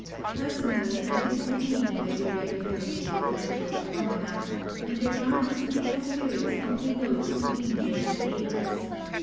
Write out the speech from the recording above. Personally, I disbelieve in the irregularity of natural phenomena, and regard as evil spirits only those who injure their neighbours.